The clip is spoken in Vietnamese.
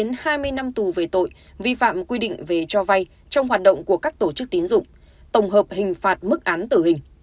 ngân hai mươi năm tù về tội vi phạm quy định về cho vay trong hoạt động của các tổ chức tín dụng tổng hợp hình phạt mức án tử hình